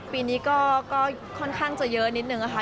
ปีนี้ก็ค่อนข้างจะเยอะนิดนึงนะคะ